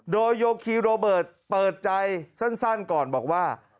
โดยโยคีโรเบิร์ตเปิดใจสั้นก่อนบอกว่า